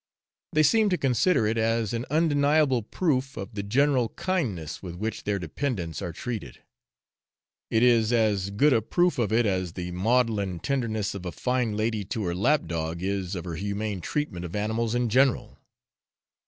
They seem to consider it as an undeniable proof of the general kindness with which their dependents are treated. It is as good a proof of it as the maudlin tenderness of a fine lady to her lap dog is of her humane treatment of animals in general.